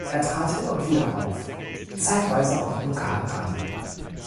Er trat hin und wieder auf, zeitweise auch im lokalen Radio.